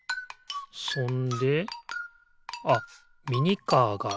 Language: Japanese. そんであっミニカーが１２３こ。